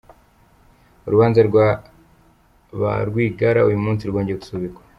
Urubanza rwa ba Rwigara uyu munsi rwongeye gusubikwa.